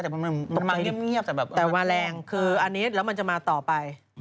แต่มันมาเยี่ยมแต่แบบแต่ว่าแรงคืออันนี้แล้วมันจะมาต่อไป